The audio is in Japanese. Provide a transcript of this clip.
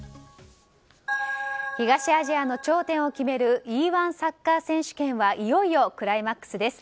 東アジアの頂点を決めるＥ‐１サッカー選手権はいよいよクライマックスです。